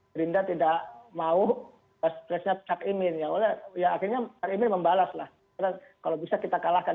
gerindra tidak mau presnya cak imin ya oleh ya akhirnya cak imin membalas lah kalau bisa kita kalahkan